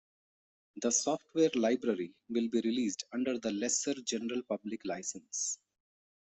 The software library will be released under the Lesser General Public License.